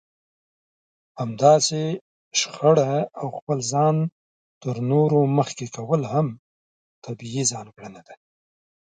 همداسې شخړه او خپل ځان تر نورو مخکې کول هم طبيعي ځانګړنه ده.